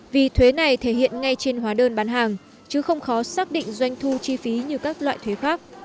vì thuế này thể hiện ngay trên hóa đơn bán hàng chứ không khó xác định doanh thu chi phí như các loại thuế khác